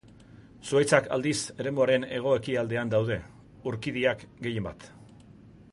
Zuhaitzak, aldiz, eremuaren hego-ekialdean daude; urkidiak, gehienbat.